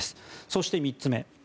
そして、３つ目。